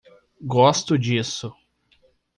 Gosto disso